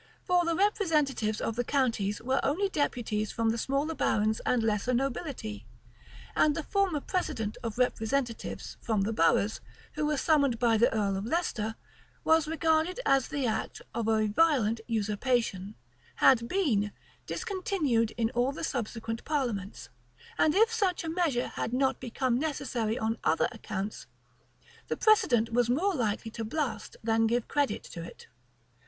For the representatives of the counties were only deputies from the smaller barons and lesser nobility; and the former precedent of representatives from the boroughs, who were summoned by the earl of Leicester, was regarded as the act of a violent usurpation, had beer, discontinued in all the subsequent parliaments; and if such a measure had not become necessary on other accounts, that precedent was more likely to blast than give credit to it.